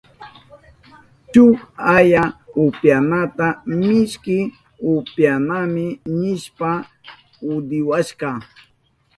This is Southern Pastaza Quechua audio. Shuk aya upyanata mishki upyanami nishpa hudiwashka.